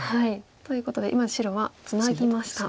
ということで今白はツナぎました。